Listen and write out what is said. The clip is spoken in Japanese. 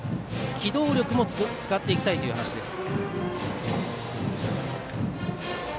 機動力も使っていきたいという話です。